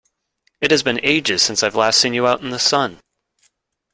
It has been ages since I've last seen you out in the sun!